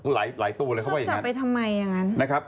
ไหลตู้เลยเขาบอกอย่างนั้น